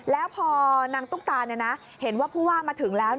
แล้วพอนางตุ๊กตาเห็นว่าผู้ว่ามาถึงแล้ว